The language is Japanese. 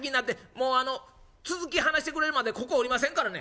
もう続き話してくれるまでここ下りませんからね」。